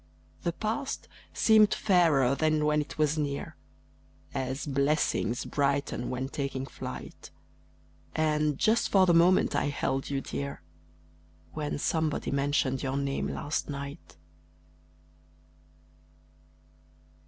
The past seemed fairer than when it was near, As "Blessings brighten when taking flight;" And just for the moment I held you dear When somebody mentioned your name last night.